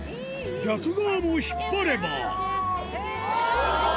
逆側も引っ張ればおぉ！